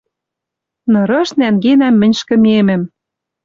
Нырыш нӓнгенӓм мӹнь ӹшкӹмемӹм.